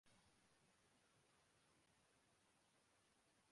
کوئی چیز تو ہو جس پہ ایمان ٹھہرے۔